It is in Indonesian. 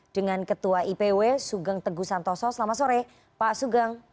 dengan ketua ipw sugeng teguh santoso selamat sore pak sugeng